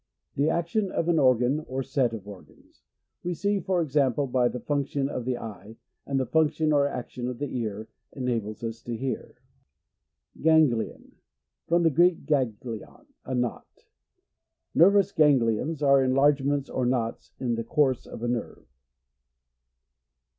The action of an organ or set of organs. We sec, for example, by the function of the eye, and the function or action of the ear enables us to hear. Ganglion. — From the Greek, gagg lion, a knot. Nervous ganglions are enlargements or knots in the course of a nerve.